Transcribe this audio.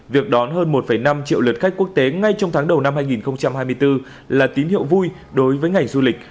việc đón hơn một năm triệu lượt khách quốc tế ngay trong tháng đầu năm hai nghìn hai mươi bốn là tín hiệu vui đối với ngành du lịch